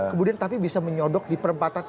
kemudian tapi bisa menyodok di perempatan